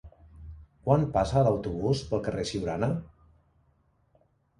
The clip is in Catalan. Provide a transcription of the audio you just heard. Quan passa l'autobús pel carrer Siurana?